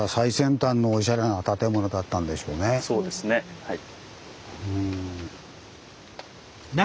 そうですねはい。